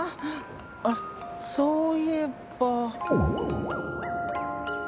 あっそういえば。